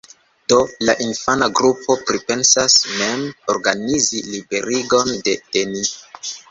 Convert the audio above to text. Do la infana grupo pripensas mem organizi liberigon de Dennis.